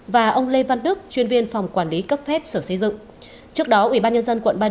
và ông lê văn đức chuyên viên phòng quản lý cấp phép sở xây dựng